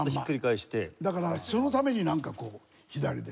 だからそのためになんかこう左で。